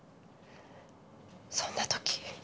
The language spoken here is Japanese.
そんな時。